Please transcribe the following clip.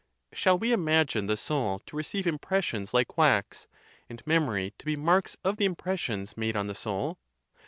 Shall we imagine the soul to receive impressions like wax, and memory to be marks of the impressions made on the soul?